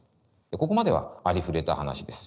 ここまではありふれた話です。